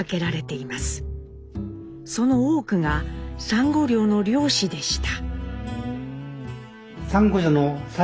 その多くがサンゴ漁の漁師でした。